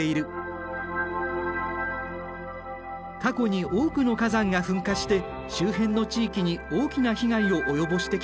過去に多くの火山が噴火して周辺の地域に大きな被害を及ぼしてきた。